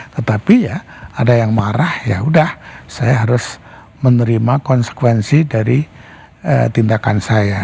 tetapi ya ada yang marah ya udah saya harus menerima konsekuensi dari tindakan saya